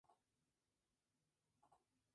Fue enterrado en el monasterio de San Onofre de Lwów.